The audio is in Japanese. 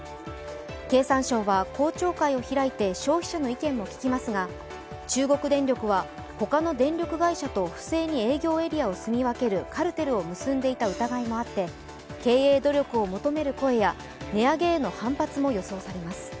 経産省は公聴会を開いて消費者の意見も聞きますが中国電力はほかの電力会社と不正に営業エリアを住み分けるカルテルを結んでいた疑いもあって経営努力を求める声や値上げへの反発も予想されます。